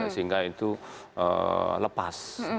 sehingga itu lepas